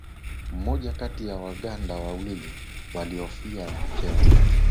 mmoja kati ya Waganda wawili waliofikia cheo hiki